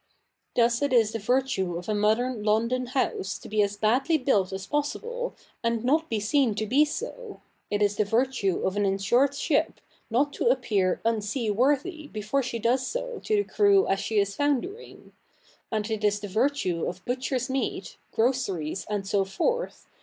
Thus it is the virtue of a modern London house to be as badly built as possible and not be seen to be so ; it is the virtue of an insured ship not to appear unseaworthy before she does so to the crew as she is foundering : and it is the virtue of butche7''s meat, groceries and so forth